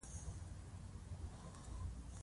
د افغانستان مرمر صادراتي ارزښت لري